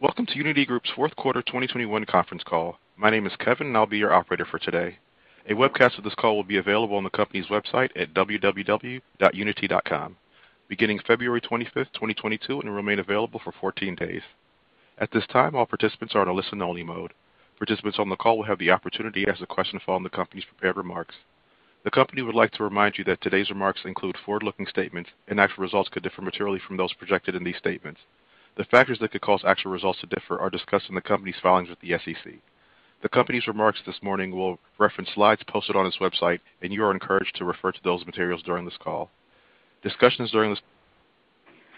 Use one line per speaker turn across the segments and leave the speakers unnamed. Welcome to Uniti Group's fourth quarter 2021 conference call. My name is Kevin, and I'll be your operator for today. A webcast of this call will be available on the company's website at www.uniti.com beginning February 25th, 2022, and remain available for 14 days. At this time, all participants are in a listen-only mode. Participants on the call will have the opportunity to ask a question following the company's prepared remarks. The company would like to remind you that today's remarks include forward-looking statements, and actual results could differ materially from those projected in these statements. The factors that could cause actual results to differ are discussed in the company's filings with the SEC. The company's remarks this morning will reference slides posted on its website, and you are encouraged to refer to those materials during this call. Discussions during this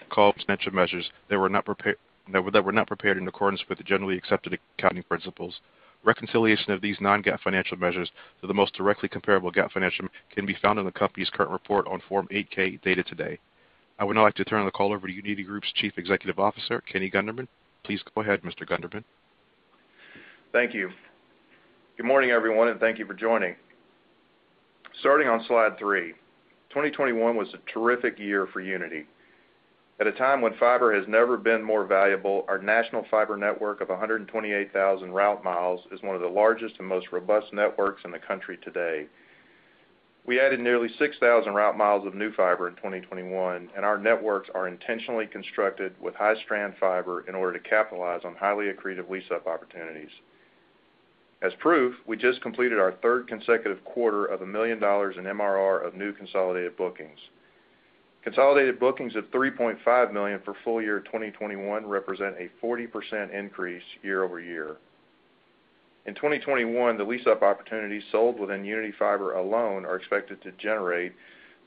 call will mention measures that were not prepared in accordance with the generally accepted accounting principles. Reconciliation of these non-GAAP financial measures to the most directly comparable GAAP financial measures can be found in the company's current report on Form 8-K, dated today. I would now like to turn the call over to Uniti Group's Chief Executive Officer, Kenny Gunderman. Please go ahead, Mr. Gunderman.
Thank you. Good morning, everyone, and thank you for joining. Starting on slide three. 2021 was a terrific year for Uniti. At a time when fiber has never been more valuable, our national fiber network of 128,000 route miles is one of the largest and most robust networks in the country today. We added nearly 6,000 route miles of new fiber in 2021, and our networks are intentionally constructed with high-strand fiber in order to capitalize on highly accretive lease-up opportunities. As proof, we just completed our third consecutive quarter of $1 million in MRR of new consolidated bookings. Consolidated bookings of $3.5 million for full year 2021 represent a 40% increase year-over-year. In 2021, the lease-up opportunities sold within Uniti Fiber alone are expected to generate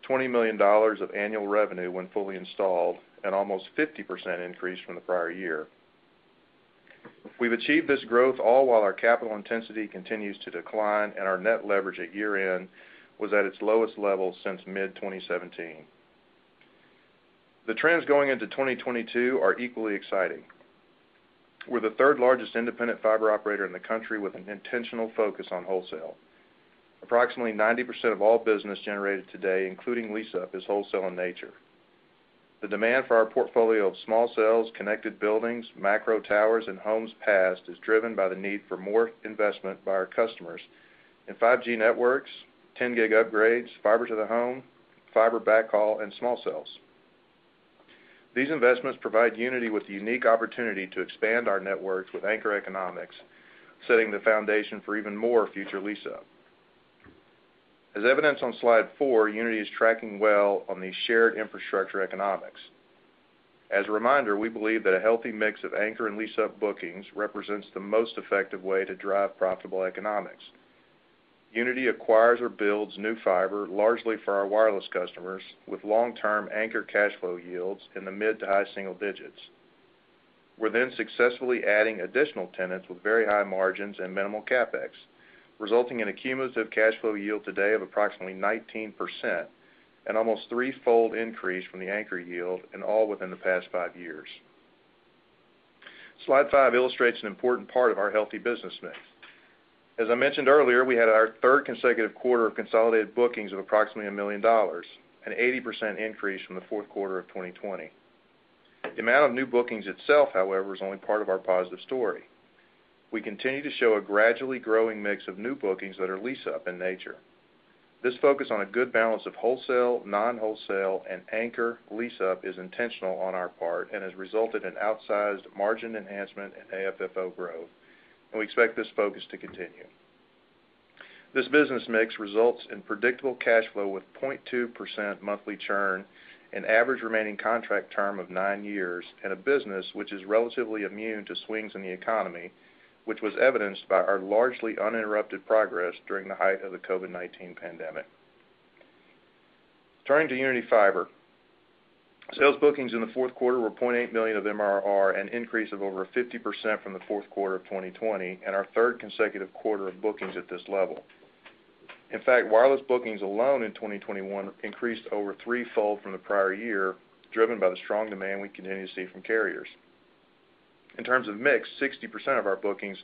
$20 million of annual revenue when fully installed, an almost 50% increase from the prior year. We've achieved this growth all while our capital intensity continues to decline and our net leverage at year-end was at its lowest level since mid-2017. The trends going into 2022 are equally exciting. We're the third largest independent fiber operator in the country with an intentional focus on wholesale. Approximately 90% of all business generated today, including lease up, is wholesale in nature. The demand for our portfolio of small cells, connected buildings, macro towers, and homes passed is driven by the need for more investment by our customers in 5G networks, 10-giga upgrades, fiber to the home, fiber backhaul, and small cells. These investments provide Uniti with the unique opportunity to expand our networks with anchor economics, setting the foundation for even more future lease-up. As evidenced on slide four, Uniti is tracking well on these shared infrastructure economics. As a reminder, we believe that a healthy mix of anchor and lease-up bookings represents the most effective way to drive profitable economics. Uniti acquires or builds new fiber largely for our wireless customers with long-term anchor cash flow yields in the mid to high single digits. We're then successfully adding additional tenants with very high margins and minimal CapEx, resulting in a cumulative cash flow yield today of approximately 19% and almost three-fold increase from the anchor yield, and all within the past five years. Slide five illustrates an important part of our healthy business mix. As I mentioned earlier, we had our third consecutive quarter of consolidated bookings of approximately $1 million, an 80% increase from the fourth quarter of 2020. The amount of new bookings itself, however, is only part of our positive story. We continue to show a gradually growing mix of new bookings that are lease up in nature. This focus on a good balance of wholesale, non-wholesale, and anchor lease up is intentional on our part and has resulted in outsized margin enhancement and AFFO growth. We expect this focus to continue. This business mix results in predictable cash flow with 0.2% monthly churn, an average remaining contract term of nine years, and a business which is relatively immune to swings in the economy, which was evidenced by our largely uninterrupted progress during the height of the COVID-19 pandemic. Turning to Uniti Fiber. Sales bookings in the fourth quarter were $0.8 million of MRR, an increase of over 50% from the fourth quarter of 2020 and our third consecutive quarter of bookings at this level. In fact, wireless bookings alone in 2021 increased over three-fold from the prior year, driven by the strong demand we continue to see from carriers. In terms of mix, 60% of our bookings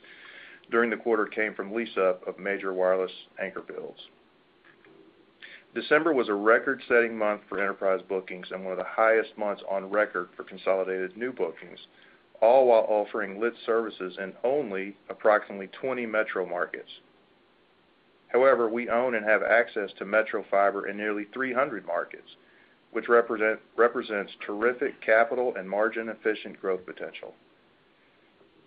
during the quarter came from lease-up of major wireless anchor builds. December was a record-setting month for enterprise bookings and one of the highest months on record for consolidated new bookings, all while offering lit services in only approximately 20 metro markets. However, we own and have access to metro fiber in nearly 300 markets, which represents terrific capital and margin-efficient growth potential.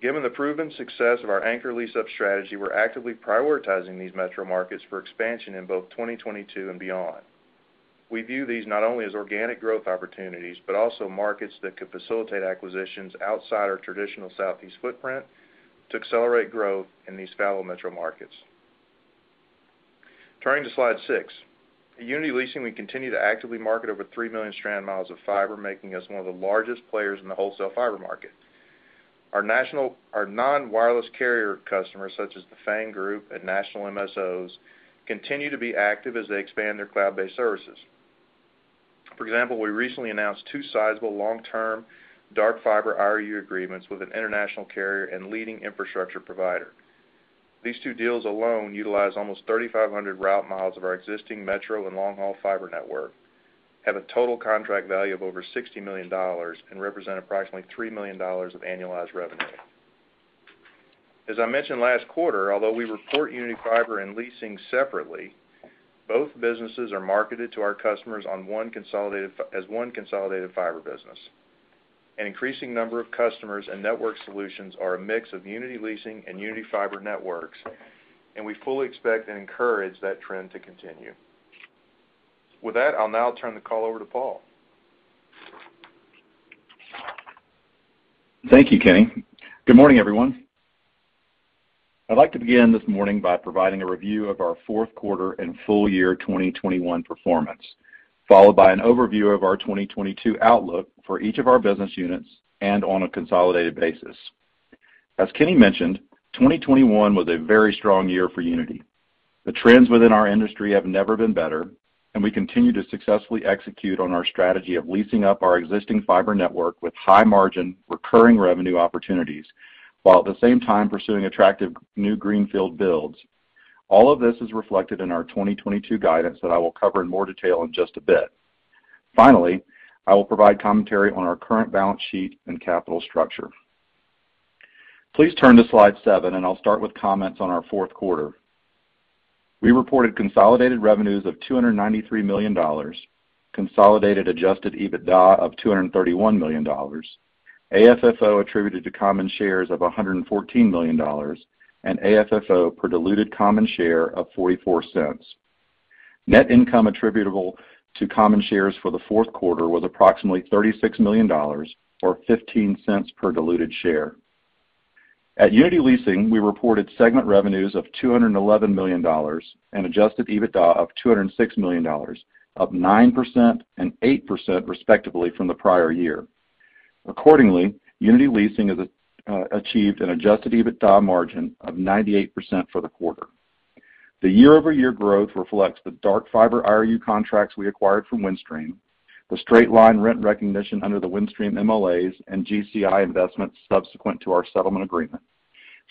Given the proven success of our anchor lease-up strategy, we're actively prioritizing these metro markets for expansion in both 2022 and beyond. We view these not only as organic growth opportunities but also markets that could facilitate acquisitions outside our traditional Southeast footprint to accelerate growth in these valuable metro markets. Turning to slide six. At Uniti Leasing, we continue to actively market over 3 million strand miles of fiber, making us one of the largest players in the wholesale fiber market. Our non-wireless carrier customers, such as the FANG group and national MSOs, continue to be active as they expand their cloud-based services. For example, we recently announced two sizable long-term dark fiber IRU agreements with an international carrier and leading infrastructure provider. These two deals alone utilize almost 3,500 route miles of our existing metro and long-haul fiber network, have a total contract value of over $60 million, and represent approximately $3 millions of annualized revenue. As I mentioned last quarter, although we report Uniti Fiber and Leasing separately, both businesses are marketed to our customers on one consolidated fiber business. An increasing number of customers and network solutions are a mix of Uniti Leasing and Uniti Fiber networks, and we fully expect and encourage that trend to continue. With that, I'll now turn the call over to Paul.
Thank you, Kenny. Good morning, everyone. I'd like to begin this morning by providing a review of our fourth quarter and full year 2021 performance, followed by an overview of our 2022 outlook for each of our business units and on a consolidated basis. As Kenny mentioned, 2021 was a very strong year for Uniti. The trends within our industry have never been better, and we continue to successfully execute on our strategy of leasing up our existing fiber network with high margin, recurring revenue opportunities, while at the same time pursuing attractive new greenfield builds. All of this is reflected in our 2022 guidance that I will cover in more detail in just a bit. Finally, I will provide commentary on our current balance sheet and capital structure. Please turn to slide seven, and I'll start with comments on our fourth quarter. We reported consolidated revenues of $293 million, consolidated adjusted EBITDA of $231 million, AFFO attributed to common shares of $114 million, and AFFO per diluted common share of $0.44. Net income attributable to common shares for the fourth quarter was approximately $36 million or $0.15 per diluted share. At Uniti Leasing, we reported segment revenues of $211 million and adjusted EBITDA of $206 million, up 9% and 8% respectively from the prior year. Accordingly, Uniti Leasing has achieved an adjusted EBITDA margin of 98% for the quarter. The year-over-year growth reflects the dark fiber IRU contracts we acquired from Windstream, the straight-line rent recognition under the Windstream MLAs and GCI investments subsequent to our settlement agreement,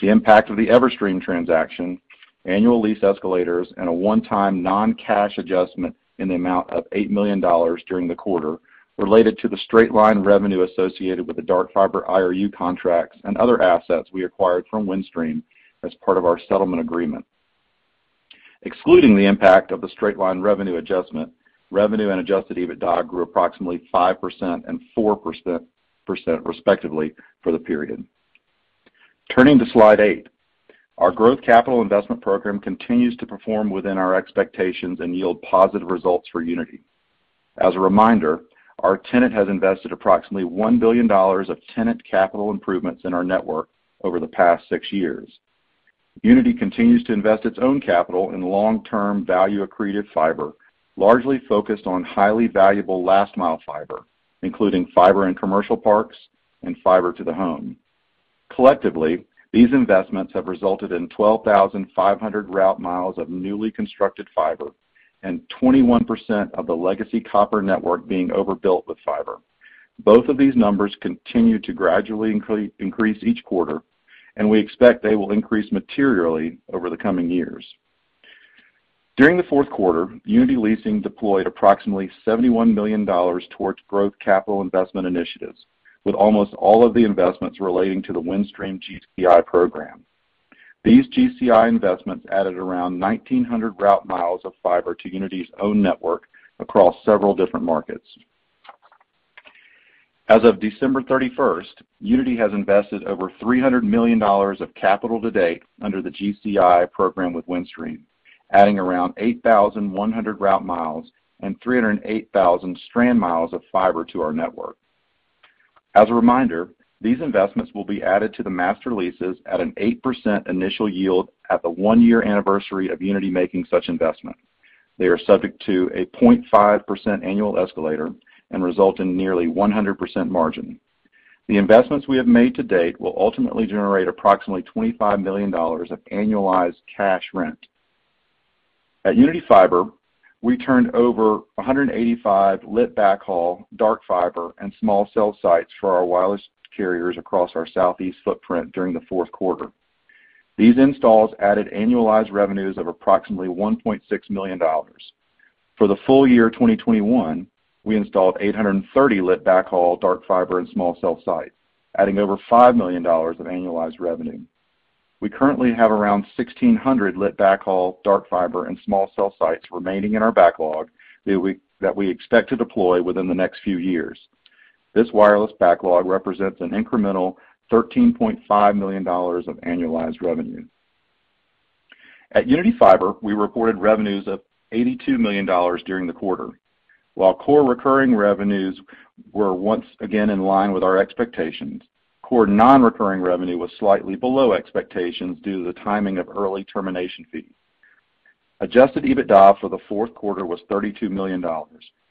the impact of the Everstream transaction, annual lease escalators, and a one-time non-cash adjustment in the amount of $8 million during the quarter related to the straight-line revenue associated with the dark fiber IRU contracts and other assets we acquired from Windstream as part of our settlement agreement. Excluding the impact of the straight-line revenue adjustment, revenue and adjusted EBITDA grew approximately 5% and 4% respectively for the period. Turning to slide eight. Our growth capital investment program continues to perform within our expectations and yield positive results for Uniti. As a reminder, our tenant has invested approximately $1 billion of tenant capital improvements in our network over the past six years. Uniti continues to invest its own capital in long-term value accretive fiber, largely focused on highly valuable last mile fiber, including fiber in commercial parks and fiber to the home. Collectively, these investments have resulted in 12,500 route miles of newly constructed fiber and 21% of the legacy copper network being overbuilt with fiber. Both of these numbers continue to gradually increase each quarter, and we expect they will increase materially over the coming years. During the fourth quarter, Uniti Leasing deployed approximately $71 million towards growth capital investment initiatives, with almost all of the investments relating to the Windstream GCI program. These GCI investments added around 1,900 route miles of fiber to Uniti's own network across several different markets. As of December 31st, 2021, Uniti has invested over $300 million of capital to date under the GCI program with Windstream, adding around 8,100 route miles and 308,000 strand miles of fiber to our network. These investments will be added to the master leases at an 8% initial yield at the one-year anniversary of Uniti making such investment. They are subject to a 0.5% annual escalator and result in nearly 100% margin. The investments we have made to date will ultimately generate approximately $25 million of annualized cash rent. At Uniti Fiber, we turned over 185 lit backhaul, dark fiber, and small cell sites for our wireless carriers across our southeast footprint during the fourth quarter. These installs added annualized revenues of approximately $1.6 million. For the full year 2021, we installed 830 lit backhaul, dark fiber, and small cell sites, adding over $5 millions of annualized revenue. We currently have around 1,600 lit backhaul, dark fiber, and small cell sites remaining in our backlog that we expect to deploy within the next few years. This wireless backlog represents an incremental $13.5 millions of annualized revenue. At Uniti Fiber, we reported revenues of $82 million during the quarter. While core recurring revenues were once again in line with our expectations, core non-recurring revenue was slightly below expectations due to the timing of early termination fees. Adjusted EBITDA for the fourth quarter was $32 million,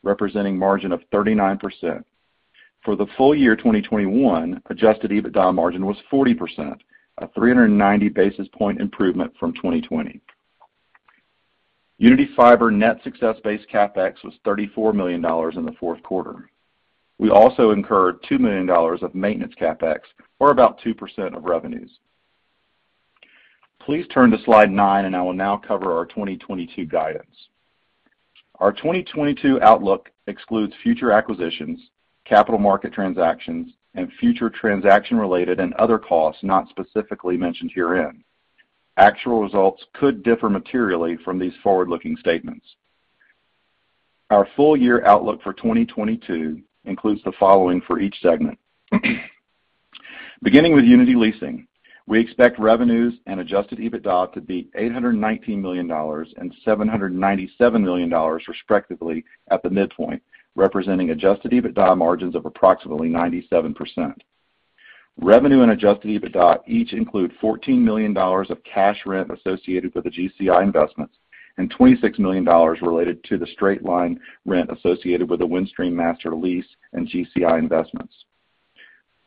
representing margin of 39%. For the full year 2021, adjusted EBITDA margin was 40%, a 390-basis point improvement from 2020. Uniti Fiber net success-based CapEx was $34 million in the fourth quarter. We also incurred $2 millions of maintenance CapEx, or about 2% of revenues. Please turn to slide nine, and I will now cover our 2022 guidance. Our 2022 outlook excludes future acquisitions, capital market transactions, and future transaction-related and other costs not specifically mentioned herein. Actual results could differ materially from these forward-looking statements. Our full year outlook for 2022 includes the following for each segment. Beginning with Uniti Leasing, we expect revenues and adjusted EBITDA to be $819 million and $797 million, respectively, at the midpoint, representing adjusted EBITDA margins of approximately 97%. Revenue and adjusted EBITDA each include $14 million of cash rent associated with the GCI investments and $26 million related to the straight-line rent associated with the Windstream master lease and GCI investments.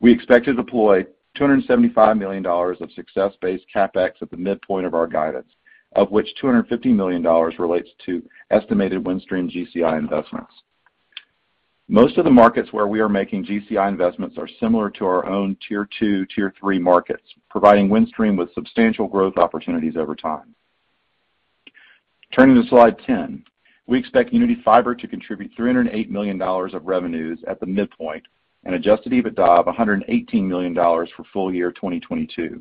We expect to deploy $275 million of success-based CapEx at the midpoint of our guidance, of which $250 million relates to estimated Windstream GCI investments. Most of the markets where we are making GCI investments are similar to our own tier 2, tier 3 markets, providing Windstream with substantial growth opportunities over time. Turning to slide 10. We expect Uniti Fiber to contribute $308 million of revenues at the midpoint and adjusted EBITDA of $118 million for full year 2022.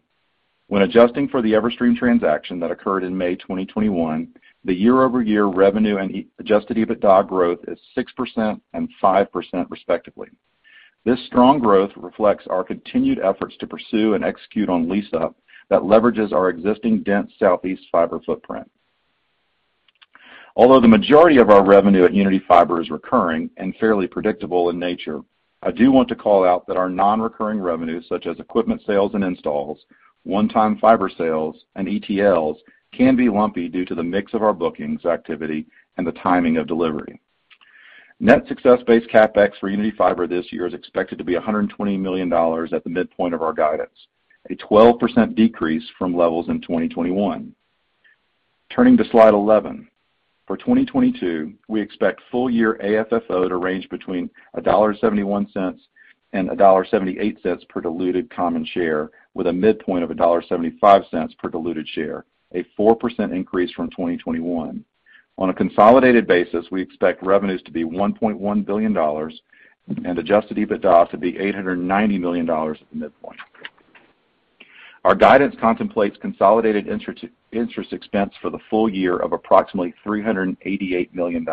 When adjusting for the Everstream transaction that occurred in May 2021, the year-over-year revenue and adjusted EBITDA growth is 6% and 5%, respectively. This strong growth reflects our continued efforts to pursue and execute on lease up that leverages our existing dense Southeast fiber footprint. Although the majority of our revenue at Uniti Fiber is recurring and fairly predictable in nature, I do want to call out that our non-recurring revenues, such as equipment sales and installs, one-time fiber sales, and ETLs, can be lumpy due to the mix of our booking's activity and the timing of delivery. Net success-based CapEx for Uniti Fiber this year is expected to be $120 million at the midpoint of our guidance, a 12% decrease from levels in 2021. Turning to slide 11. For 2022, we expect full year AFFO to range between $1.71 and $1.78 per diluted common share with a midpoint of $1.75 per diluted share, a 4% increase from 2021. On a consolidated basis, we expect revenues to be $1.1 billion and adjusted EBITDA to be $890 million at the midpoint. Our guidance contemplates consolidated interest expense for the full year of approximately $388 million.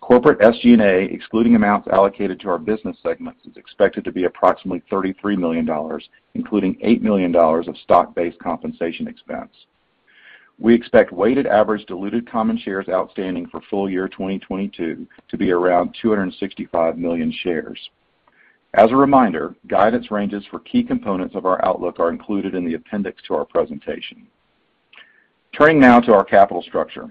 Corporate SG&A, excluding amounts allocated to our business segments, is expected to be approximately $33 million, including $8 million of stock-based compensation expense. We expect weighted average diluted common shares outstanding for full year 2022 to be around 265 million shares. As a reminder, guidance ranges for key components of our outlook are included in the appendix to our presentation. Turning now to our capital structure.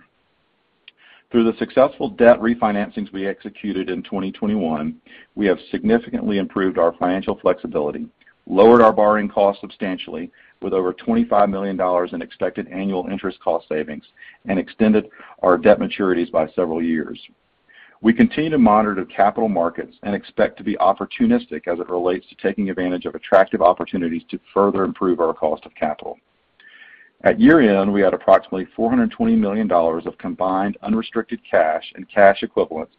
Through the successful debt refinancings we executed in 2021, we have significantly improved our financial flexibility, lowered our borrowing costs substantially with over $25 million in expected annual interest cost savings, and extended our debt maturities by several years. We continue to monitor the capital markets and expect to be opportunistic as it relates to taking advantage of attractive opportunities to further improve our cost of capital. At year-end, we had approximately $420 million of combined unrestricted cash and cash equivalents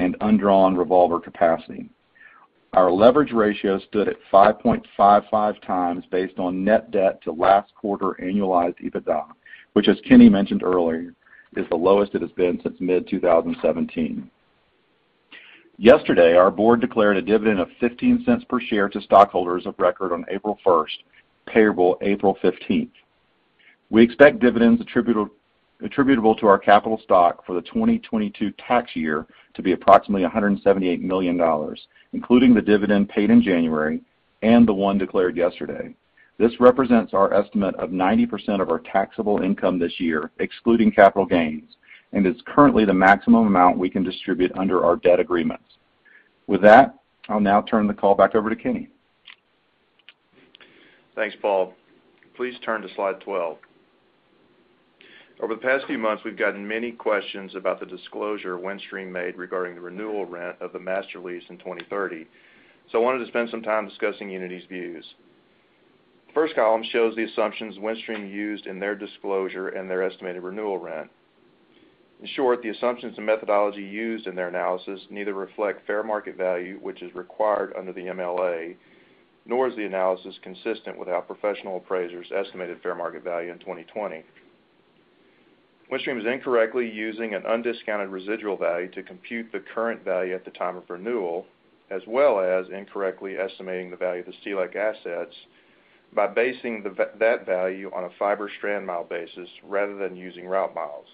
and undrawn revolver capacity. Our leverage ratio stood at 5.55x based on net debt to last quarter annualized EBITDA, which as Kenny mentioned earlier, is the lowest it has been since mid-2017. Yesterday, our board declared a dividend of $0.15 per share to stockholders of record on April 1st, payable April 15th. We expect dividends attributable to our capital stock for the 2022 tax year to be approximately $178 million, including the dividend paid in January and the one declared yesterday. This represents our estimate of 90% of our taxable income this year, excluding capital gains, and is currently the maximum amount we can distribute under our debt agreements. With that, I'll now turn the call back over to Kenny.
Thanks, Paul. Please turn to slide 12. Over the past few months, we've gotten many questions about the disclosure Windstream made regarding the renewal rent of the master lease in 2030. I wanted to spend some time discussing Uniti's views. The first column shows the assumptions Windstream used in their disclosure and their estimated renewal rent. In short, the assumptions and methodology used in their analysis neither reflect fair market value, which is required under the MLA, nor is the analysis consistent with our professional appraisers estimated fair market value in 2020. Windstream is incorrectly using an undiscounted residual value to compute the current value at the time of renewal, as well as incorrectly estimating the value of the CLEC assets by basing that value on a fiber strand mile basis rather than using route miles.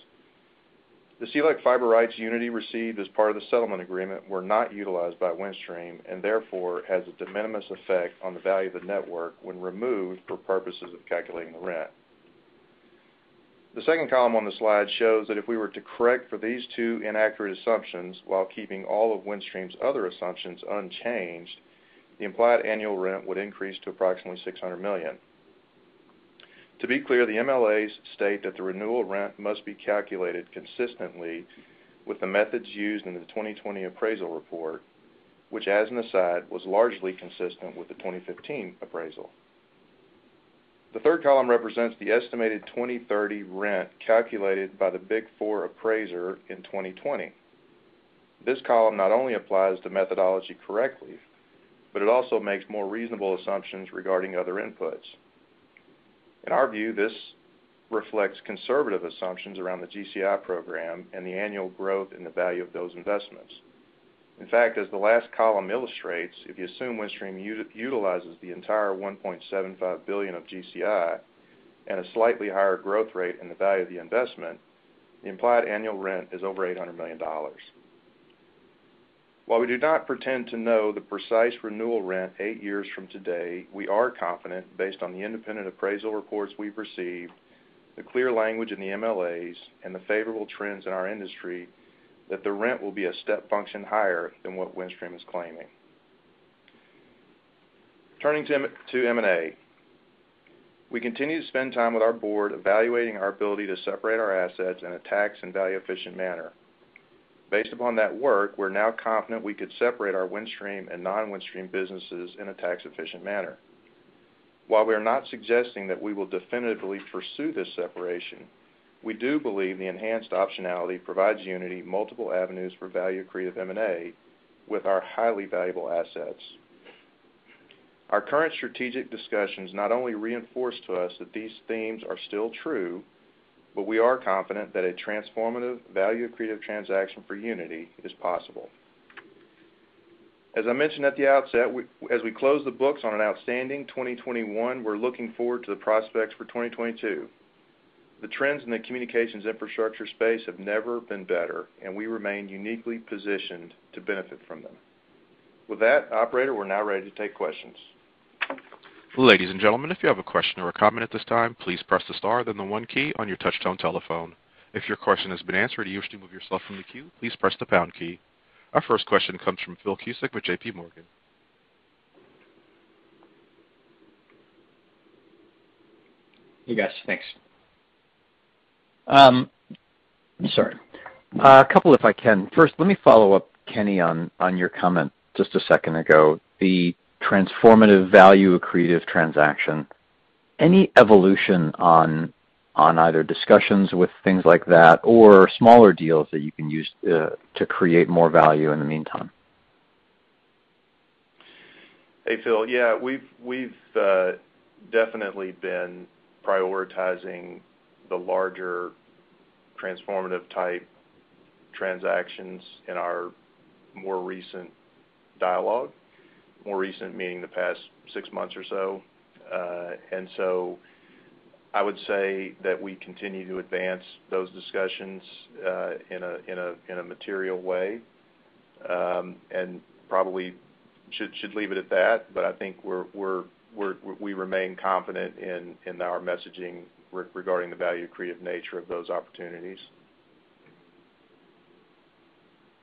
The CLEC fiber rights Uniti received as part of the settlement agreement were not utilized by Windstream, and therefore, has a de minimis effect on the value of the network when removed for purposes of calculating the rent. The second column on the slide shows that if we were to correct for these two inaccurate assumptions while keeping all of Windstream's other assumptions unchanged, the implied annual rent would increase to approximately $600 million. To be clear, the MLAs state that the renewal rent must be calculated consistently with the methods used in the 2020 appraisal report, which as an aside, was largely consistent with the 2015 appraisal. The third column represents the estimated 2030 rent calculated by the Big Four appraiser in 2020. This column not only applies the methodology correctly, but it also makes more reasonable assumptions regarding other inputs. In our view, this reflects conservative assumptions around the GCI program and the annual growth in the value of those investments. In fact, as the last column illustrates, if you assume Windstream utilizes the entire $1.75 billions of GCI and a slightly higher growth rate in the value of the investment, the implied annual rent is over $800 million. While we do not pretend to know the precise renewal rent eight years from today, we are confident based on the independent appraisal reports we've received, the clear language in the MLAs, and the favorable trends in our industry, that the rent will be a step function higher than what Windstream is claiming. Turning to M&A. We continue to spend time with our board evaluating our ability to separate our assets in a tax and value efficient manner. Based upon that work, we're now confident we could separate our Windstream and non-Windstream businesses in a tax efficient manner. While we are not suggesting that we will definitively pursue this separation, we do believe the enhanced optionality provides Uniti multiple avenues for value accretive M&A with our highly valuable assets. Our current strategic discussions not only reinforce to us that these themes are still true, but we are confident that a transformative value accretive transaction for Uniti is possible. As I mentioned at the outset, as we close the books on an outstanding 2021, we're looking forward to the prospects for 2022. The trends in the communications infrastructure space have never been better, and we remain uniquely positioned to benefit from them. With that, operator, we're now ready to take questions.
Ladies and gentlemen, if you have a question or a comment at this time, please press the star, then the one key on your touchtone telephone. If your question has been answered or you wish to remove yourself from the queue, please press the pound key. Our first question comes from Phil Cusick with JPMorgan.
Hey, guys. Thanks. A couple if I can. First, let me follow up, Kenny, on your comment just a second ago, the transformative value accretive transaction. Any evolution on either discussions with things like that or smaller deals that you can use to create more value in the meantime?
Hey, Phil. Yeah. We've definitely been prioritizing the larger transformative type transactions in our more recent dialogue, more recent meaning the past six months or so. I would say that we continue to advance those discussions in a material way, and probably should leave it at that. I think we remain confident in our messaging regarding the value accretive nature of those opportunities.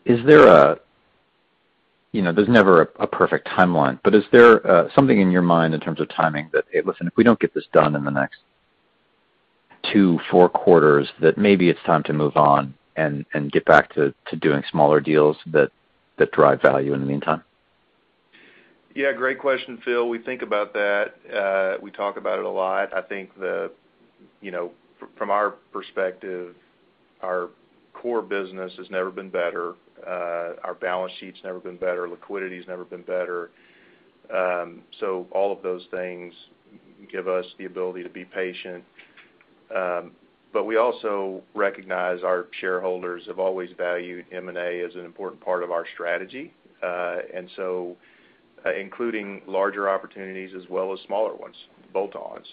Is there? You know, there's never a perfect timeline, but is there something in your mind in terms of timing that, hey, listen, if we don't get this done in the next two, four quarters, that maybe it's time to move on and get back to doing smaller deals that drive value in the meantime?
Yeah. Great question, Phil. We think about that. We talk about it a lot. I think, you know, from our perspective, our core business has never been better. Our balance sheet's never been better. Liquidity's never been better. All of those things give us the ability to be patient. We also recognize our shareholders have always valued M&A as an important part of our strategy, and so, including larger opportunities as well as smaller ones, bolt-ons.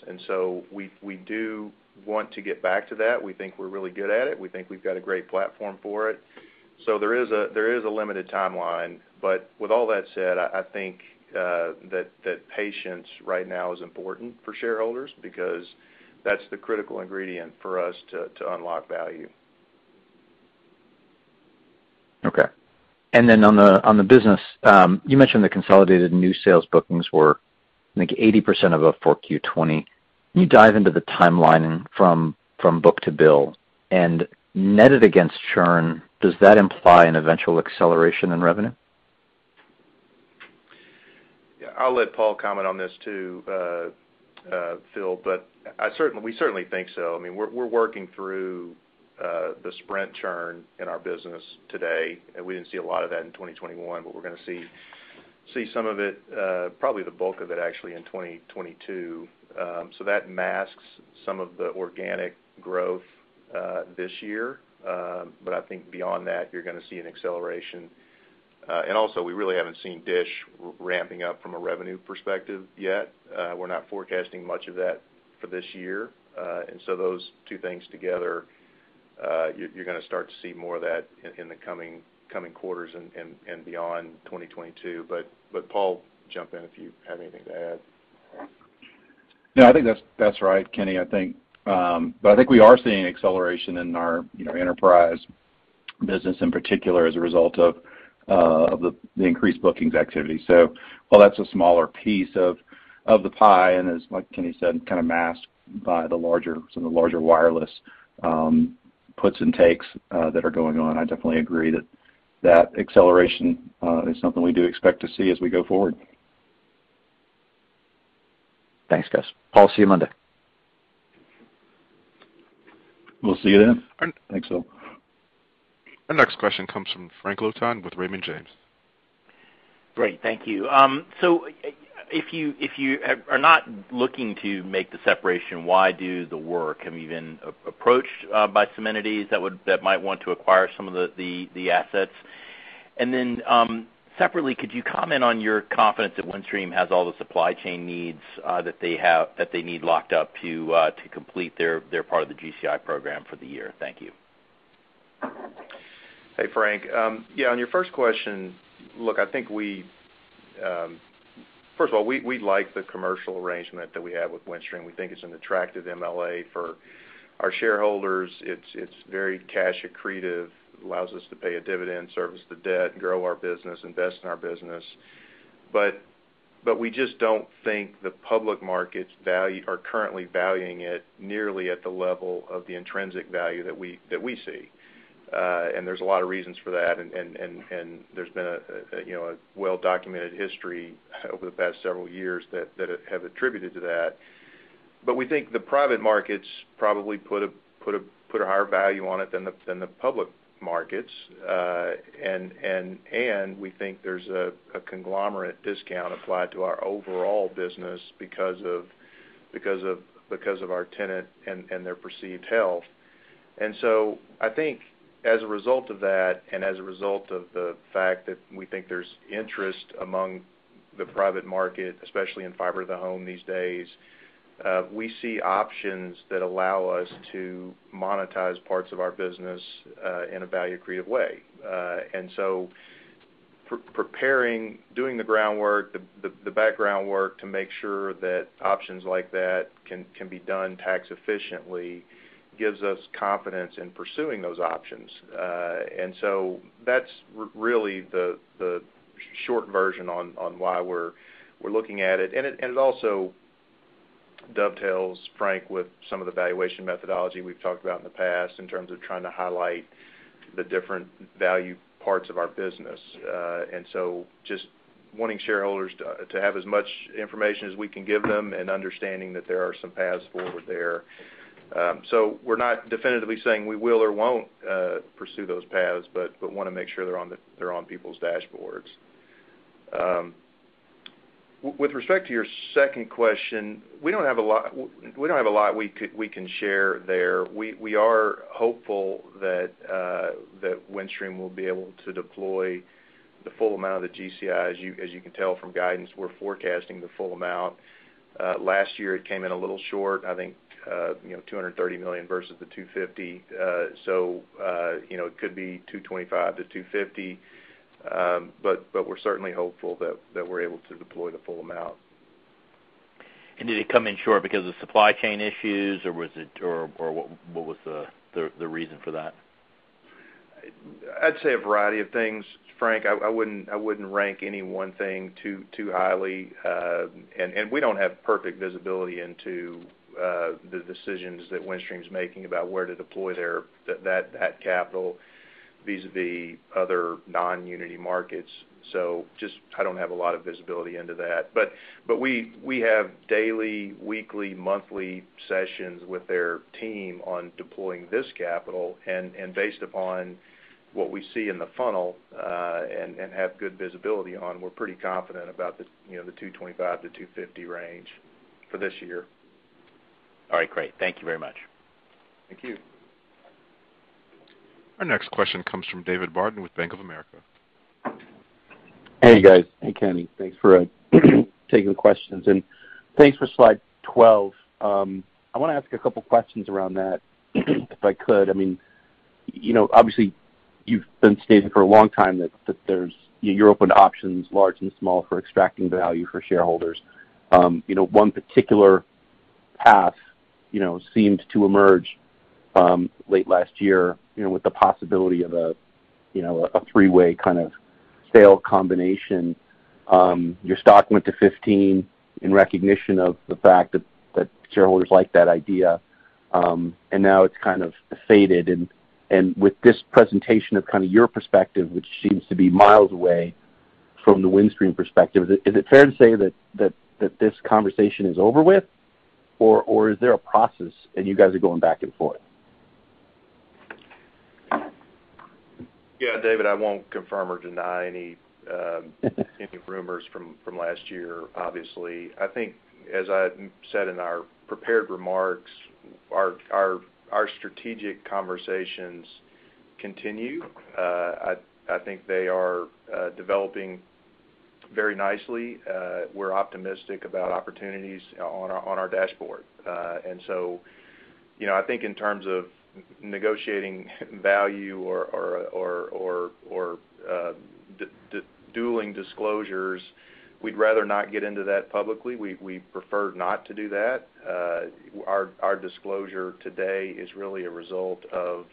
We do want to get back to that. We think we're really good at it. We think we've got a great platform for it. There is a limited timeline. With all that said, I think that patience right now is important for shareholders because that's the critical ingredient for us to unlock value.
Okay. On the business, you mentioned the consolidated new sales bookings were, I think, 80% above 4Q 2020. Can you dive into the timeline from book-to-bill? Netted against churn, does that imply an eventual acceleration in revenue?
Yeah. I'll let Paul comment on this too, Phil, but we certainly think so. I mean, we're working through the Sprint churn in our business today. We didn't see a lot of that in 2021, but we're gonna see some of it, probably the bulk of it actually in 2022. That masks some of the organic growth this year. I think beyond that, you're gonna see an acceleration. Also, we really haven't seen DISH ramping up from a revenue perspective yet. We're not forecasting much of that for this year. Those two things together, you're gonna start to see more of that in the coming quarters and beyond 2022. Paul, jump in if you have anything to add.
No, I think that's right, Kenny. I think, but I think we are seeing acceleration in our, you know, enterprise. Business in particular as a result of the increased bookings activity. While that's a smaller piece of the pie, and as like Kenny said, kind of masked by some of the larger wireless puts and takes that are going on, I definitely agree that acceleration is something we do expect to see as we go forward.
Thanks, guys. Paul, see you Monday.
We'll see you then.
All right.
Thanks, all.
Our next question comes from Frank Louthan with Raymond James.
Great. Thank you. If you are not looking to make the separation, why do the work? Have you been approached by some entities that might want to acquire some of the assets? Separately, could you comment on your confidence that Windstream has all the supply chain needs that they need locked up to complete their part of the GCI program for the year? Thank you.
Hey, Frank. Yeah, on your first question, look, I think, first of all, we like the commercial arrangement that we have with Windstream. We think it's an attractive MLA for our shareholders. It's very cash accretive. It allows us to pay a dividend, service the debt, grow our business, invest in our business. We just don't think the public markets are currently valuing it nearly at the level of the intrinsic value that we see. There's a lot of reasons for that. There's been you know a well-documented history over the past several years that have attributed to that. We think the private markets probably put a higher value on it than the public markets. We think there's a conglomerate discount applied to our overall business because of our tenant and their perceived health. I think as a result of that and as a result of the fact that we think there's interest among the private market, especially in fiber to the home these days, we see options that allow us to monetize parts of our business in a value accretive way. Preparing, doing the groundwork, the background work to make sure that options like that can be done tax efficiently gives us confidence in pursuing those options. That's really the short version on why we're looking at it. It also dovetails, Frank, with some of the valuation methodology we've talked about in the past in terms of trying to highlight the different value parts of our business. So just wanting shareholders to have as much information as we can give them and understanding that there are some paths forward there. We're not definitively saying we will or won't pursue those paths, but wanna make sure they're on the they're on people's dashboards. With respect to your second question, we don't have a lot we can share there. We are hopeful that Windstream will be able to deploy the full amount of the GCI. As you can tell from guidance, we're forecasting the full amount. Last year, it came in a little short, I think, $230 million versus the $250 million. It could be $225 million-$250 million, but we're certainly hopeful that we're able to deploy the full amount.
Did it come in short because of supply chain issues or what was the reason for that?
I'd say a variety of things, Frank. I wouldn't rank any one thing too highly. We don't have perfect visibility into the decisions that Windstream's making about where to deploy their capital vis-a-vis other non-Uniti markets. I just don't have a lot of visibility into that. We have daily, weekly, monthly sessions with their team on deploying this capital, and based upon what we see in the funnel and have good visibility on, we're pretty confident about the, you know, the $225-$250 range for this year.
All right, great. Thank you very much.
Thank you.
Our next question comes from David Barden with Bank of America.
Hey, guys. Hey, Kenny. Thanks for taking the questions. Thanks for slide 12. I want to ask a couple questions around that if I could. I mean, you know, obviously, you've been stating for a long time that you're open to options large and small for extracting value for shareholders. You know, one particular path, you know, seemed to emerge late last year, you know, with the possibility of a, you know, a three-way kind of sale combination. Your stock went to 15 in recognition of the fact that shareholders liked that idea, and now it's kind of faded. With this presentation of kind of your perspective, which seems to be miles away from the Windstream perspective, is it fair to say that this conversation is over with, or is there a process and you guys are going back and forth?
Yeah, David, I won't confirm or deny any rumors from last year, obviously. I think as I said in our prepared remarks, our strategic conversations continue. I think they are developing very nicely. We're optimistic about opportunities on our dashboard. You know, I think in terms of negotiating value or dueling disclosures. We'd rather not get into that publicly. We prefer not to do that. Our disclosure today is really a result of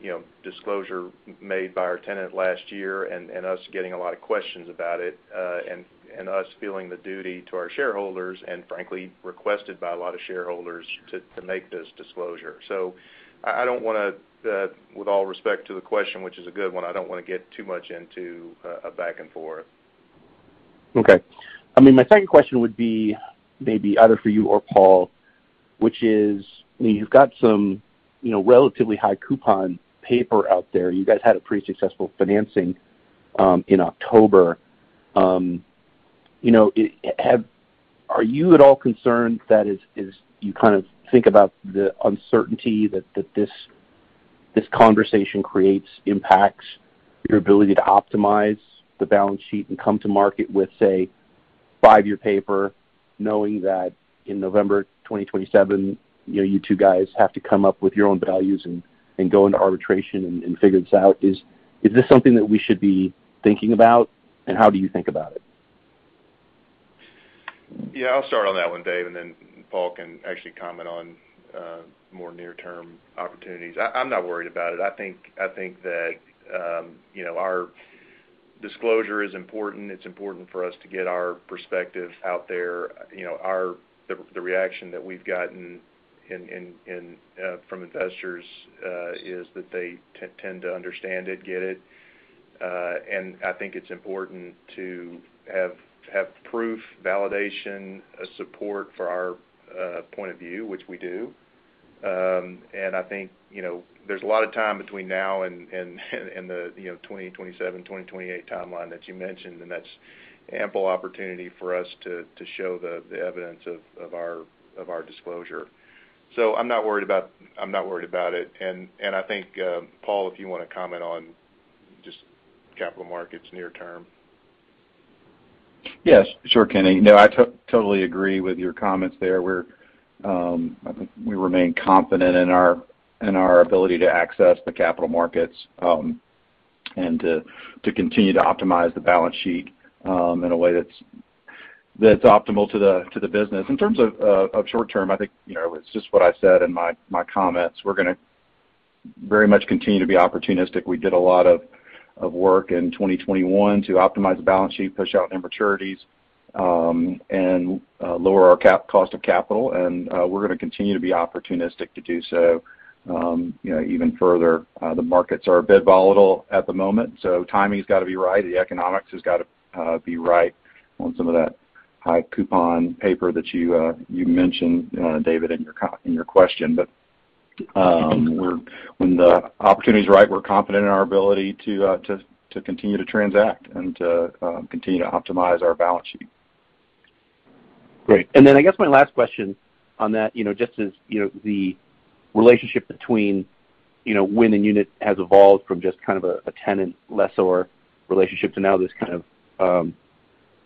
you know, disclosure made by our tenant last year and us getting a lot of questions about it and us feeling the duty to our shareholders and frankly, requested by a lot of shareholders to make this disclosure. I don't wanna, with all respect to the question, which is a good one, I don't wanna get too much into a back and forth.
Okay. I mean, my second question would be maybe either for you or Paul, which is, I mean, you've got some, you know, relatively high coupon paper out there. You guys had a pretty successful financing in October. You know, are you at all concerned that as you kind of think about the uncertainty that this conversation creates, impacts your ability to optimize the balance sheet and come to market with, say, five-year paper, knowing that in November 2027, you know, you two guys have to come up with your own values and go into arbitration and figure this out. Is this something that we should be thinking about, and how do you think about it?
Yeah, I'll start on that one, Dave, and then Paul can actually comment on more near-term opportunities. I'm not worried about it. I think that you know, our disclosure is important. It's important for us to get our perspective out there. You know, the reaction that we've gotten from investors is that they tend to understand it, get it. And I think it's important to have proof, validation, support for our point of view, which we do. And I think you know, there's a lot of time between now and the 2027, 2028 timeline that you mentioned, and that's ample opportunity for us to show the evidence of our disclosure. So, I'm not worried about it. I think, Paul, if you want to comment on just capital markets near term.
Yes. Sure, Kenny. No, I totally agree with your comments there. I think we remain confident in our ability to access the capital markets and to continue to optimize the balance sheet in a way that's optimal to the business. In terms of short term, I think, you know, it's just what I said in my comments. We're gonna very much continue to be opportunistic. We did a lot of work in 2021 to optimize the balance sheet, push out new maturities, and lower our cost of capital. We're gonna continue to be opportunistic to do so, you know, even further. The markets are a bit volatile at the moment, so timing's gotta be right, the economics has gotta be right on some of that high coupon paper that you mentioned, David, in your question. When the opportunity is right, we're confident in our ability to continue to transact and to continue to optimize our balance sheet.
Great. I guess my last question on that, you know, just as, you know, the relationship between, you know, WIN and UNIT has evolved from just kind of a tenant-lessor relationship to now this kind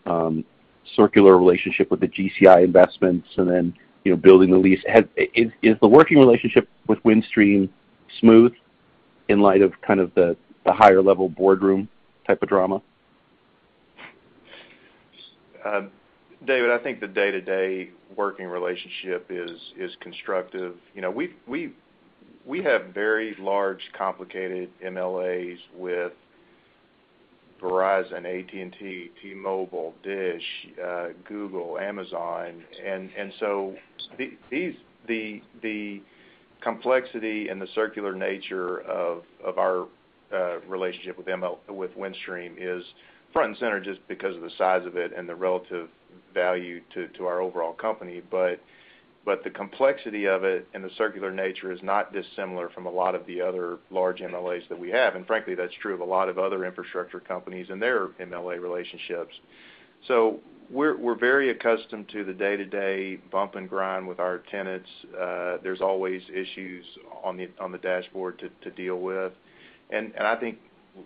of circular relationship with the GCI investments and then, you know, building the lease. Is the working relationship with Windstream smooth in light of kind of the higher-level boardroom type of drama?
David, I think the day-to-day working relationship is constructive. You know, we have very large, complicated MLAs with Verizon, AT&T-Mobile, DISH, Google, Amazon. The complexity and the circular nature of our relationship with Windstream is front and center just because of the size of it and the relative value to our overall company. The complexity of it and the circular nature is not dissimilar from a lot of the other large MLAs that we have. Frankly, that's true of a lot of other infrastructure companies and their MLA relationships. We're very accustomed to the day-to-day bump and grind with our tenants. There's always issues on the dashboard to deal with. I think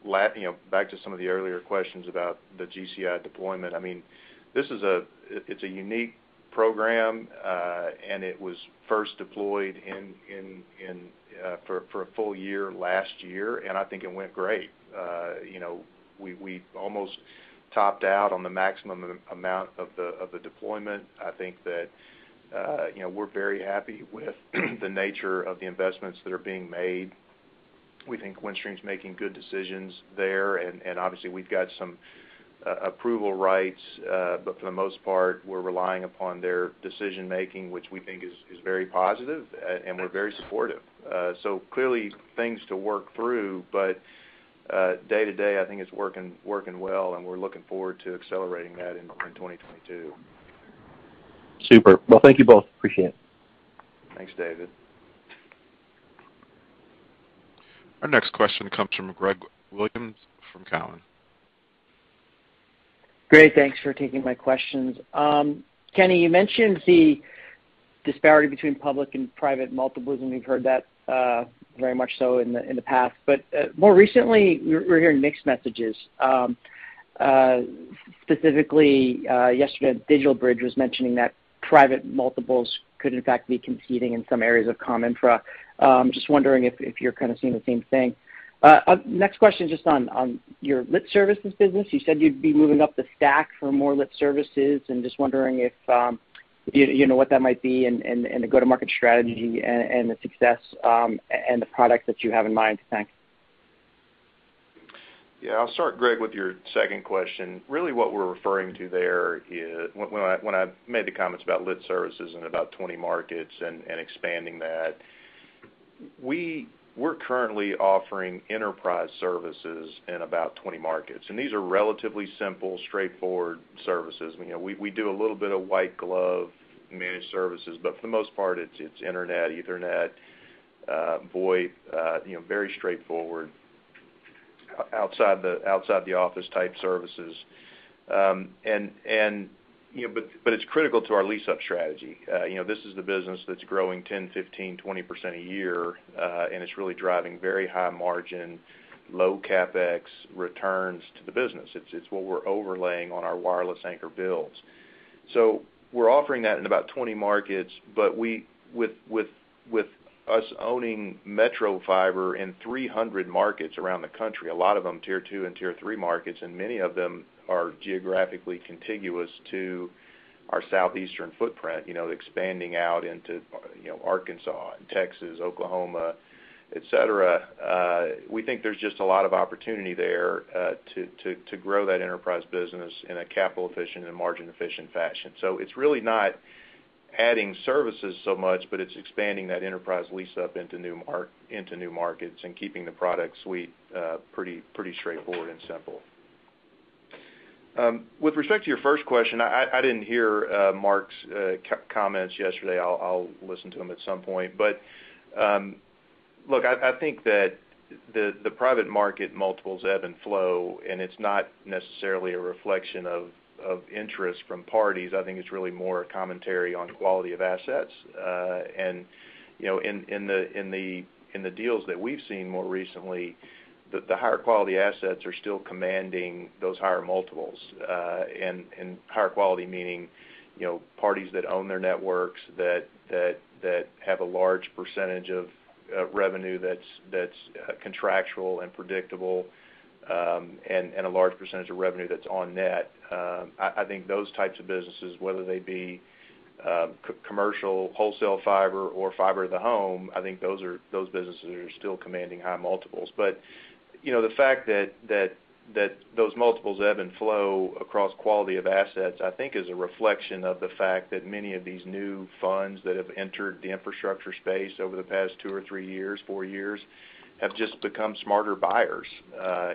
you know, back to some of the earlier questions about the GCI deployment, I mean, this is it's a unique program, and it was first deployed in for a full year last year, and I think it went great. You know, we almost topped out on the maximum amount of the deployment. I think that you know, we're very happy with the nature of the investments that are being made. We think Windstream's making good decisions there. Obviously, we've got some approval rights. But for the most part, we're relying upon their decision-making, which we think is very positive, and we're very supportive. Clearly things to work through, but day to day, I think it's working well, and we're looking forward to accelerating that in 2022.
Super. Well, thank you both. I appreciate it.
Thanks, David.
Our next question comes from Greg Williams from Cowen.
Great. Thanks for taking my questions. Kenny, you mentioned the disparity between public and private multiples, and we've heard that very much so in the past. More recently, we're hearing mixed messages. Specifically, yesterday, DigitalBridge was mentioning that private multiples could in fact be competing in some areas of communications infrastructure. Just wondering if you're kind of seeing the same thing. Next question, just on your lit services business. You said you'd be moving up the stack for more lit services. I'm just wondering if you know what that might be and the go-to-market strategy and the success and the product that you have in mind. Thanks.
Yeah, I'll start, Greg, with your second question. Really, what we're referring to there is when I made the comments about lit services in about 20 markets and expanding that, we're currently offering enterprise services in about 20 markets, and these are relatively simple, straightforward services. You know, we do a little bit of white glove managed services, but for the most part, its internet, Ethernet, VoIP, you know, very straightforward outside the office type services. You know, but it's critical to our lease-up strategy. You know, this is the business that's growing 10%, 15%, 20% a year, and it's really driving very high margin, low CapEx returns to the business. It's what we're overlaying on our wireless anchor bills. We're offering that in about 20 markets, but with us owning metro fiber in 300 markets around the country, a lot of them tier two and tier three markets, and many of them are geographically contiguous to our southeastern footprint, you know, expanding out into, you know, Arkansas and Texas, Oklahoma, etc., we think there's just a lot of opportunity there, to grow that enterprise business in a capital efficient and margin efficient fashion. It's really not adding services so much, but it's expanding that enterprise lease-up into new markets and keeping the product suite, pretty straightforward and simple. With respect to your first question, I didn't hear Mark's comments yesterday. I'll listen to him at some point. Look, I think that the private market multiples ebb and flow, and it's not necessarily a reflection of interest from parties. I think it's really more a commentary on quality of assets. You know, in the deals that we've seen more recently, the higher quality assets are still commanding those higher multiples, and higher quality meaning, you know, parties that own their networks, that have a large percentage of revenue that's contractual and predictable, and a large percentage of revenue that's on net. I think those types of businesses, whether they be commercial, wholesale fiber or fiber to the home, I think those businesses are still commanding high multiples. You know, the fact that those multiples ebb and flow across quality of assets, I think is a reflection of the fact that many of these new funds that have entered the infrastructure space over the past two or three years, four years, have just become smarter buyers.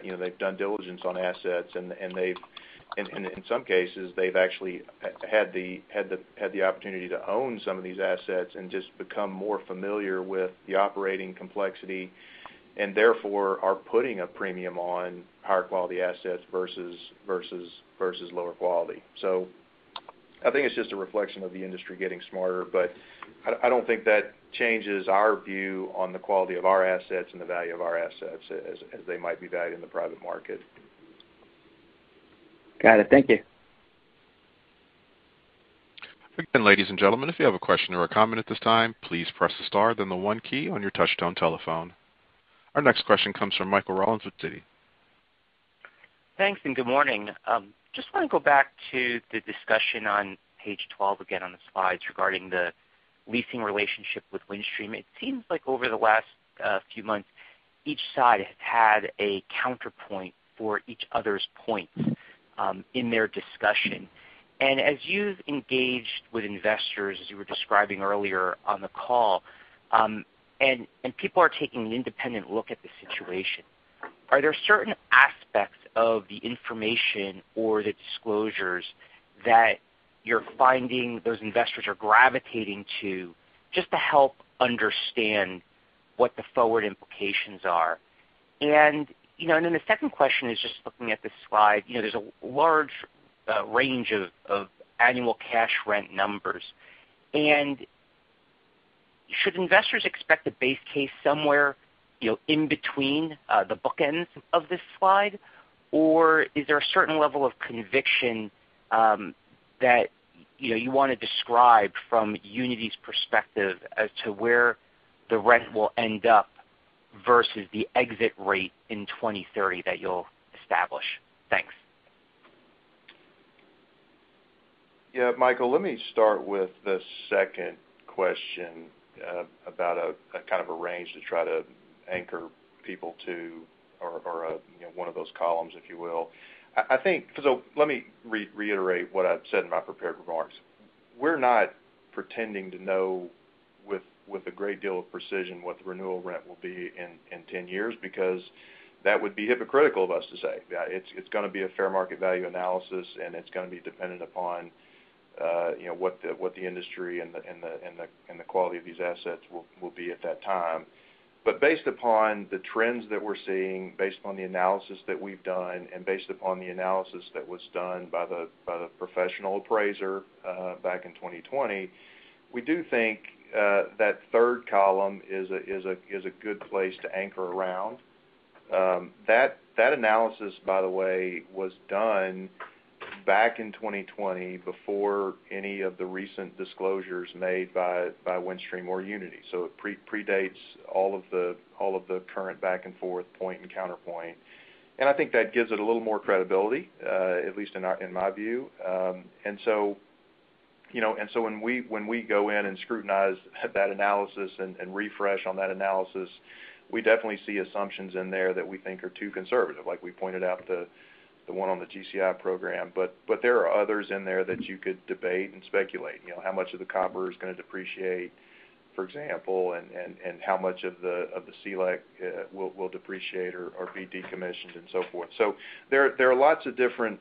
You know, they've done diligence on assets, and in some cases, they've actually had the opportunity to own some of these assets and just become more familiar with the operating complexity, and therefore, are putting a premium on higher quality assets versus lower quality. I think it's just a reflection of the industry getting smarter, but I don't think that changes our view on the quality of our assets and the value of our assets as they might be valued in the private market.
Got it. Thank you.
Again, ladies and gentlemen, if you have a question or a comment at this time, please press the star then the one key on your touchtone telephone. Our next question comes from Michael Rollins with Citi.
Thanks, and good morning. Just wanna go back to the discussion on page 12 again on the slides regarding the leasing relationship with Windstream. It seems like over the last few months, each side has had a counterpoint for each other's point in their discussion. As you've engaged with investors, as you were describing earlier on the call, and people are taking an independent look at the situation, are there certain aspects of the information or the disclosures that you're finding those investors are gravitating to just to help understand what the forward implications are? You know, and then the second question is just looking at the slide. You know, there's a large range of annual cash rent numbers. Should investors expect a base case somewhere, you know, in between, the bookends of this slide, or is there a certain level of conviction, that, you know, you wanna describe from Uniti's perspective as to where the rent will end up versus the exit rate in 2030 that you'll establish? Thanks.
Yeah, Michael, let me start with the second question about a kind of range to try to anchor people to or you know one of those columns, if you will. Let me reiterate what I've said in my prepared remarks. We're not pretending to know with a great deal of precision what the renewal rent will be in ten years because that would be hypocritical of us to say. It's gonna be a fair market value analysis, and it's gonna be dependent upon you know what the industry and the quality of these assets will be at that time. Based upon the trends that we're seeing, based upon the analysis that we've done, and based upon the analysis that was done by the professional appraiser back in 2020, we do think that third column is a good place to anchor around. That analysis, by the way, was done back in 2020 before any of the recent disclosures made by Windstream or Uniti. So, it predates all of the current back-and-forth point and counterpoint. I think that gives it a little more credibility at least in my view. You know, when we go in and scrutinize that analysis and refresh on that analysis, we definitely see assumptions in there that we think are too conservative, like we pointed out the one on the GCI program. There are others in there that you could debate and speculate. You know, how much of the copper is gonna depreciate, for example, and how much of the CLEC will depreciate or be decommissioned and so forth. There are lots of different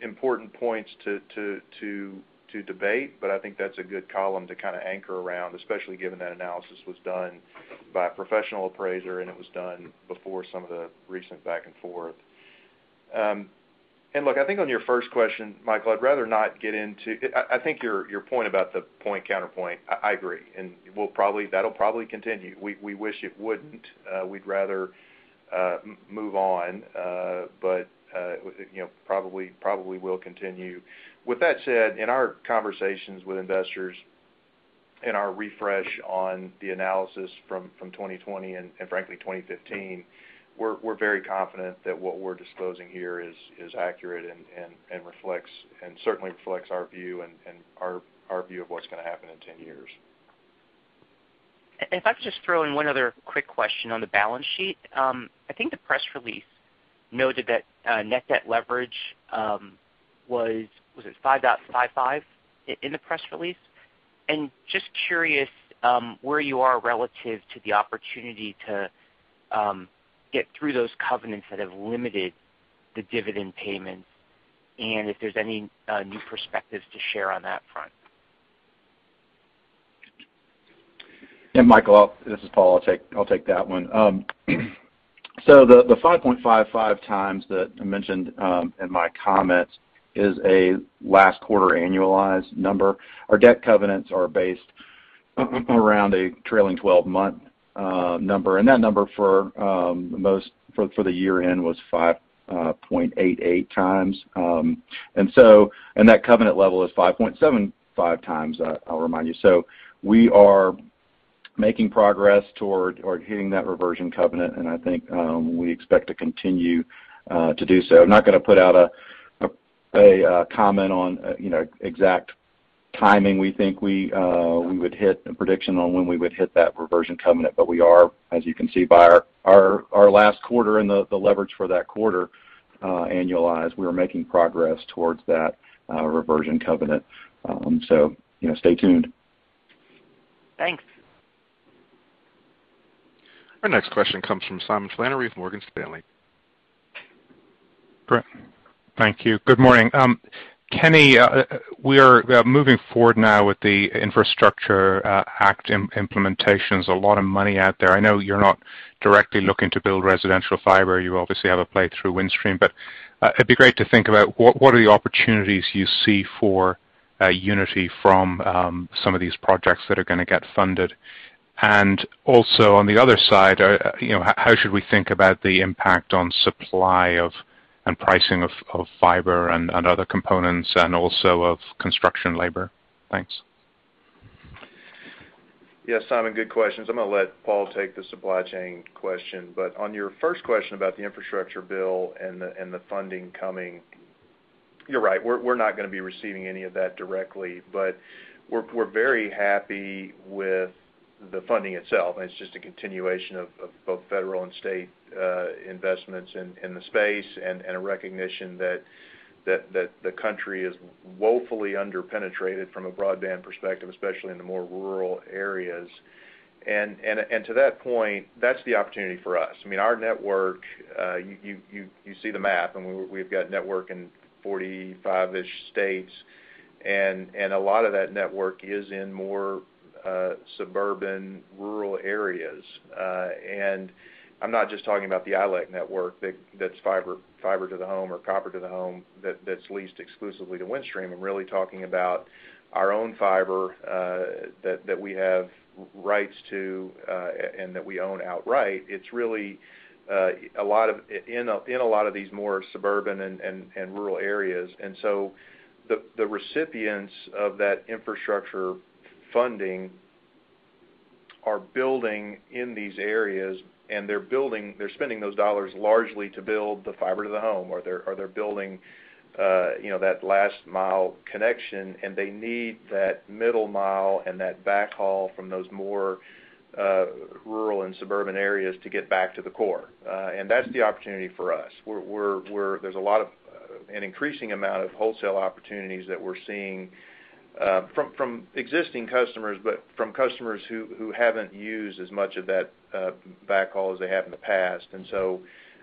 important points to debate, but I think that's a good column to kind of anchor around, especially given that analysis was done by a professional appraiser and it was done before some of the recent back and forth. Look, I think on your first question, Michael, I'd rather not get into. I think your point about the point counterpoint. I agree, and we'll probably. That'll probably continue. We wish it wouldn't. We'd rather move on. You know, probably will continue. With that said, in our conversations with investors and our refresh on the analysis from 2020 and frankly 2015, we're very confident that what we're disclosing here is accurate and reflects and certainly reflects our view of what's gonna happen in 10 years.
If I could just throw in one other quick question on the balance sheet. I think the press release noted that net debt leverage was it 5.55x in the press release? Just curious where you are relative to the opportunity to get through those covenants that have limited the dividend payments and if there's any new perspectives to share on that front.
Yeah, Michael, this is Paul. I'll take that one. The 5.55x that I mentioned in my comments is a last quarter annualized number. Our debt covenants are based around a trailing 12-month number, and that number for the year-end was 5.88x. That covenant level is 5.75x, I'll remind you. We are making progress toward or hitting that reversion covenant, and I think we expect to continue to do so. I'm not gonna put out a comment on exact timing we think we would hit or a prediction on when we would hit that reversion covenant. We are, as you can see by our last quarter and the leverage for that quarter annualized, making progress towards that reversion covenant. So, you know, stay tuned.
Thanks.
Our next question comes from Simon Flannery with Morgan Stanley.
Thank you. Good morning. Kenny, we are moving forward now with the Infrastructure Act implementations, a lot of money out there. I know you're not directly looking to build residential fiber. You obviously have a play through Windstream, but it'd be great to think about what are the opportunities you see for Uniti from some of these projects that are gonna get funded. Also on the other side, you know, how should we think about the impact on supply of and pricing of fiber and other components and also of construction labor? Thanks.
Yes, Simon, good questions. I'm gonna let Paul take the supply chain question. On your first question about the infrastructure bill and the funding coming, you're right. We're not gonna be receiving any of that directly, but we're very happy with the funding itself, and it's just a continuation of both federal and state investments in the space and a recognition that the country is woefully under penetrated from a broadband perspective, especially in the more rural areas. To that point, that's the opportunity for us. I mean, our network, you see the map, and we've got network in 45-ish states, and a lot of that network is in more suburban, rural areas. I'm not just talking about the ILEC network that's fiber to the home or copper to the home that's leased exclusively to Windstream. I'm really talking about our own fiber that we have rights to and that we own outright. It's really a lot in a lot of these more suburban and rural areas. The recipients of that infrastructure funding are building in these areas, and they're spending those dollars largely to build the fiber to the home, or they're building, you know, that last mile connection, and they need that middle mile and that backhaul from those more rural and suburban areas to get back to the core. That's the opportunity for us. There's a lot of an increasing amount of wholesale opportunities that we're seeing from existing customers, but from customers who haven't used as much of that backhaul as they have in the past.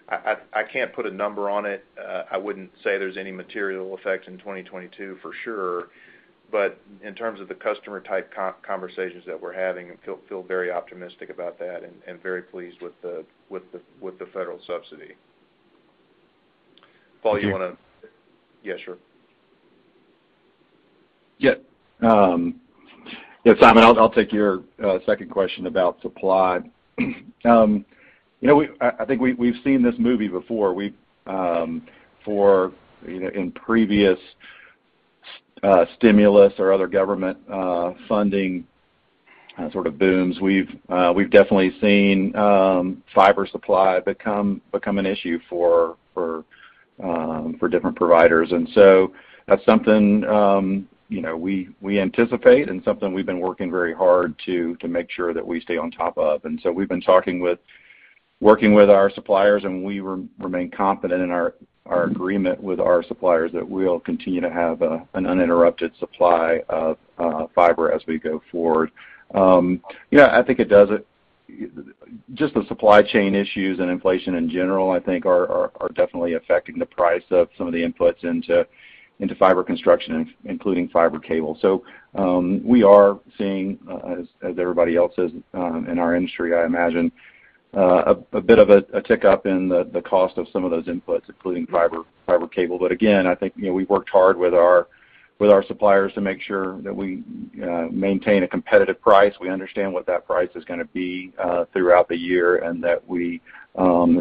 I can't put a number on it. I wouldn't say there's any material effect in 2022 for sure. In terms of the customer type conversations that we're having, I feel very optimistic about that and very pleased with the federal subsidy. Paul, you wanna-
Thank you.
Yeah, sure.
Yeah. Yeah, Simon, I'll take your second question about supply. You know, we've seen this movie before. For you know, in previous stimulus or other government funding sort of booms, we've definitely seen fiber supply become an issue for different providers. That's something you know, we anticipate and something we've been working very hard to make sure that we stay on top of. We've been working with our suppliers, and we remain confident in our agreement with our suppliers that we'll continue to have an uninterrupted supply of fiber as we go forward. Yeah, I think it does it. Just the supply chain issues and inflation in general, I think are definitely affecting the price of some of the inputs into fiber construction, including fiber cable. We are seeing, as everybody else is, in our industry, I imagine, a bit of a tick up in the cost of some of those inputs, including fiber cable. Again, I think, you know, we worked hard with our suppliers to make sure that we maintain a competitive price. We understand what that price is gonna be throughout the year, and that we've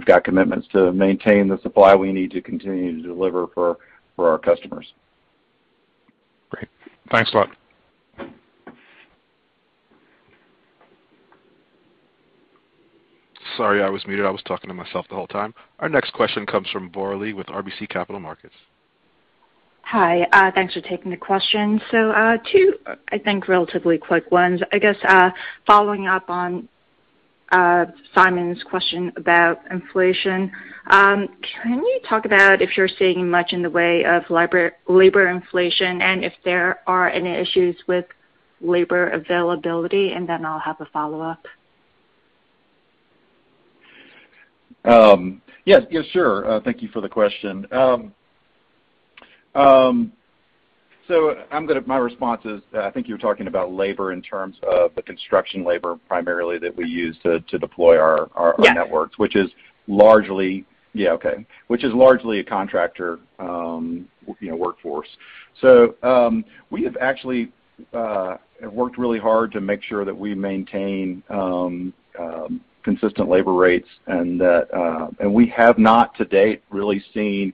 got commitments to maintain the supply we need to continue to deliver for our customers.
Great. Thanks a lot. Sorry, I was muted. I was talking to myself the whole time. Our next question comes from Bora Lee with RBC Capital Markets.
Hi. Thanks for taking the question. Two, I think, relatively quick ones. I guess, following up on Simon's question about inflation, can you talk about if you're seeing much in the way of labor inflation, and if there are any issues with labor availability? And then I'll have a follow-up.
Yes. Yes, sure. Thank you for the question. My response is, I think you're talking about labor in terms of the construction labor primarily that we use to deploy our networks.
Yes.
Which is largely a contractor workforce. We have actually worked really hard to make sure that we maintain consistent labor rates and that we have not to date really seen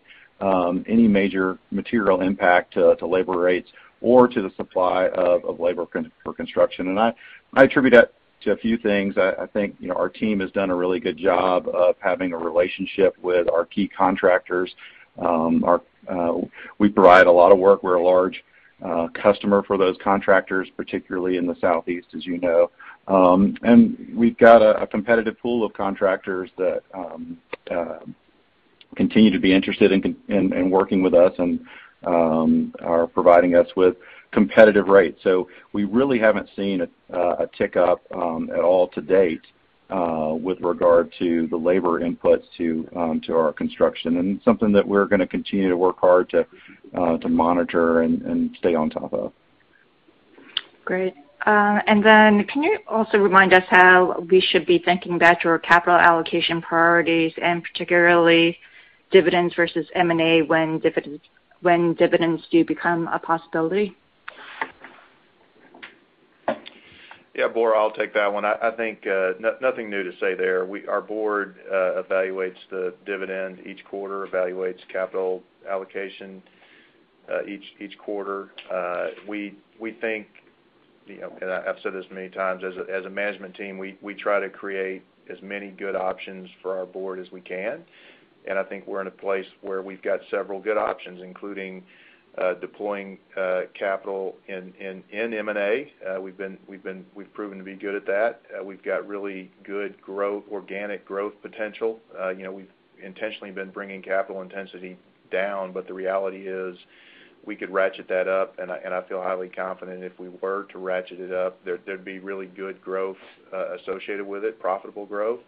any major material impact to labor rates or to the supply of labor for construction. I attribute that to a few things. I think, you know, our team has done a really good job of having a relationship with our key contractors. We provide a lot of work. We're a large customer for those contractors, particularly in the Southeast, as you know. We've got a competitive pool of contractors that continue to be interested in working with us and are providing us with competitive rates. We really haven't seen a tick up at all to date with regard to the labor inputs to our construction. It's something that we're gonna continue to work hard to monitor and stay on top of.
Great. Can you also remind us how we should be thinking about your capital allocation priorities and particularly dividends versus M&A when dividends do become a possibility?
Yeah, Bora, I'll take that one. I think nothing new to say there. Our board evaluates the dividend each quarter, evaluates capital allocation each quarter. We think, you know, and I've said this many times, as a management team, we try to create as many good options for our board as we can. I think we're in a place where we've got several good options, including deploying capital in M&A. We've proven to be good at that. We've got really good growth, organic growth potential. You know, we've intentionally been bringing capital intensity down, but the reality is we could ratchet that up. I feel highly confident if we were to ratchet it up, there'd be really good growth associated with it, profitable growth.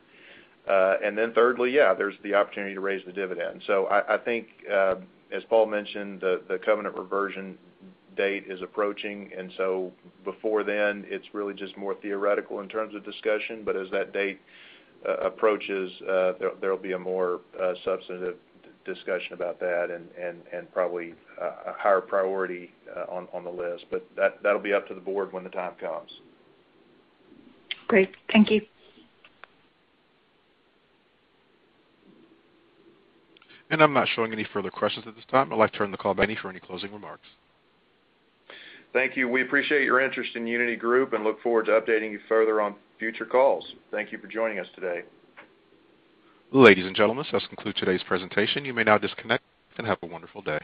Then thirdly, yeah, there's the opportunity to raise the dividend. I think, as Paul mentioned, the covenant reversion date is approaching, and so before then, it's really just more theoretical in terms of discussion. As that date approaches, there'll be a more substantive discussion about that and probably a higher priority on the list. That'll be up to the board when the time comes.
Great. Thank you.
I'm not showing any further questions at this time. I'd like to turn the call back to you for any closing remarks.
Thank you. We appreciate your interest in Uniti Group and look forward to updating you further on future calls. Thank you for joining us today.
Ladies and gentlemen, this concludes today's presentation. You may now disconnect and have a wonderful day.